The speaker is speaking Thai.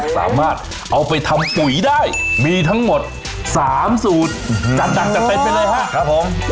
สามารถเอาไปทำปุ๋ยได้มีทั้งหมด๓สูตรจัดหนักจัดเต็มไปเลยฮะครับผม